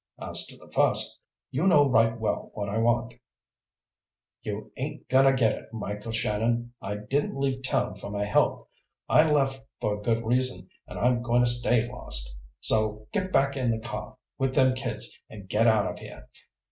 As to the first, you know right well what I want." "You ain't gonna get it, Mike O'Shannon. I didn't leave town for my health. I left for a good reason, and I'm going to stay lost. So get back in the car with them kids and get out of here.